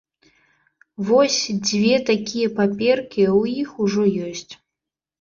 Вось, дзве такія паперкі ў іх ужо ёсць.